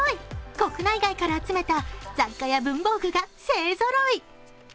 国内外から集めた雑貨や文房具が勢ぞろい。